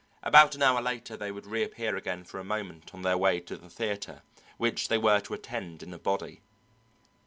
About an hour later they would reappear again for a moment on their way to the theatre, which they were to attend in a body.